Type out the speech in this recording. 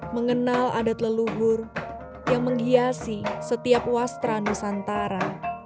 mengenal adat leluhur yang menghiasi setiap wastra nusantara